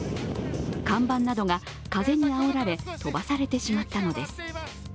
看板などが風にあおられ飛ばされてしまったのです。